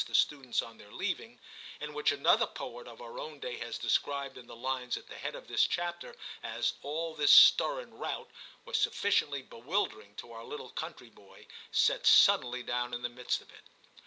the students on their leaving), and which another poet of our own day has described in the lines at the head of this chapter as 'all this stir and rout/ was sufficiently bewildering to our little country boy set suddenly down in the midst of it.